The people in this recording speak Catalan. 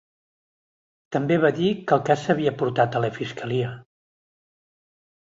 També va dir que el cas s’havia portat a la fiscalia.